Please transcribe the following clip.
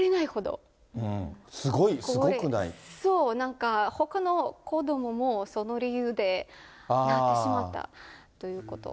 そう、なんかほかの子どもも、その理由で泣いてしまったということ。